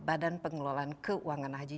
badan pengelolaan keuangan haji